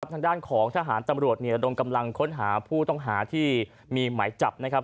ทางด้านของทหารตำรวจระดมกำลังค้นหาผู้ต้องหาที่มีหมายจับนะครับ